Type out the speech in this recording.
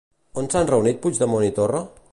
On s'han reunit Puigdemont i Torra?